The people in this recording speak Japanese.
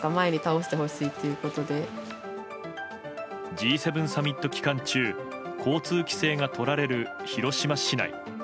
Ｇ７サミット期間中交通規制がとられる広島市内。